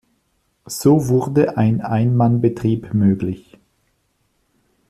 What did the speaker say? So wurde ein Einmannbetrieb möglich.